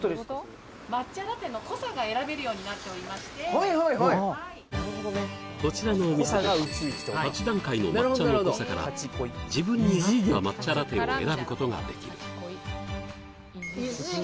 はいはいはいこちらのお店では８段階の抹茶の濃さから自分に合った抹茶ラテを選ぶことができる「異次元」！？